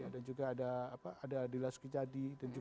dan juga ada adila sukijadi